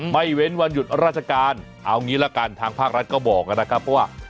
เว้นวันหยุดราชการเอางี้ละกันทางภาครัฐก็บอกนะครับว่า